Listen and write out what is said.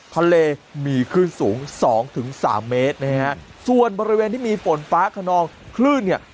ทะเลมีคลื่นสูงสองถึงสามเมตรนะฮะส่วนบริเวณที่มีฝนฟ้าขนองคลื่นเนี่ย